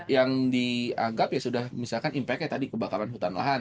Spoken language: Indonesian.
yang dianggap ya sudah misalkan impactnya tadi kebakaran hutan lahan